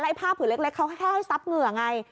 ผ้าผืนเล็กเขาแห้ซับเหงื่อไง